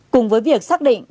cùng với việc xác định